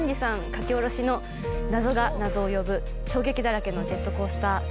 書き下ろしの謎が謎を呼ぶ衝撃だらけのジェットコースタードラマです。